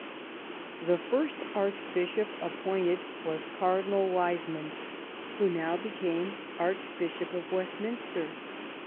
The first Archbishop appointed was Cardinal Wiseman, who now became Arch bishop of Westminster.